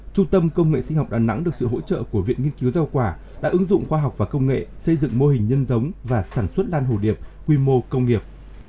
trung tâm công nghệ sinh học đà nẵng được sự hỗ trợ của viện nghiên cứu giao quả đã ứng dụng khoa học và công nghệ xây dựng mô hình nhân giống và sản xuất lan hồ điệp quy mô công nghiệp